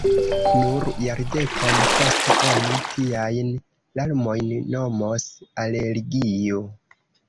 Nur jardekon poste oni tiajn larmojn nomos alergio.